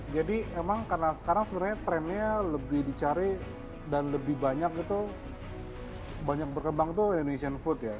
jadi emang karena sekarang sebenarnya trennya lebih dicari dan lebih banyak itu banyak berkembang itu indonesian food ya